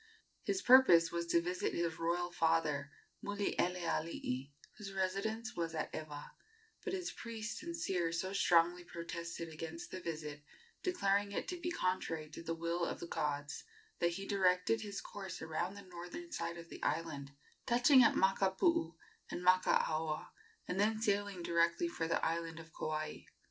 His purpose was to visit his royal father, Mulielealii, whose residence was at Ewa; but his priest and seer so strongly protested against the visit, declaring it to be contrary to the will of the gods, that he directed his course around the northern side of the island, touching at Makapuu and Makaaoa, and then sailing directly for the island of Kauai.